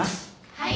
はい。